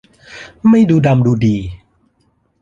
ไม่ดูดำดูดี